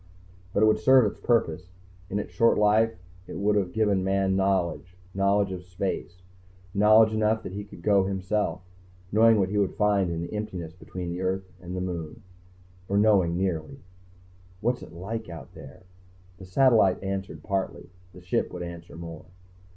But it would have served its purpose. In its short life it would have given Man knowledge; knowledge of space, knowledge enough that he could go himself, knowing what he would find in the emptiness between the earth and the moon. Or knowing nearly. What's it like out there? The satellite answered partly; the Ship would answer more.